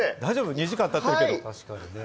２時間たってるけど。